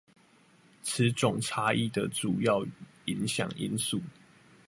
此種差異的主要影響因素